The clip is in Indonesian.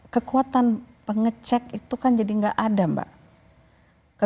kekuatan pengecek itu kan jadi nggak ada mbak